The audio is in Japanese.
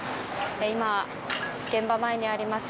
今、現場前にあります